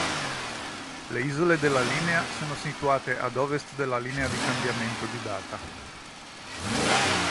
Le isole della Linea sono situate ad ovest della linea di cambiamento di data.